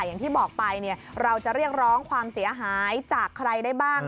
อย่างที่บอกไปเราจะเรียกร้องความเสียหายจากใครได้บ้าง